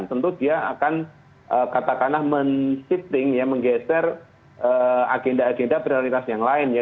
tentu dia akan katakanlah menggeser agenda agenda prioritas yang lain ya